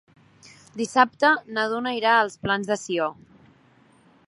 Dissabte na Duna irà als Plans de Sió.